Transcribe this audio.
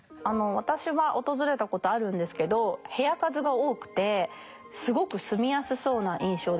私は訪れたことあるんですけど部屋数が多くてすごく住みやすそうな印象です。